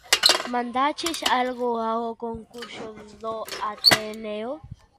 –¿Mandaches algo ao concurso do Ateneo?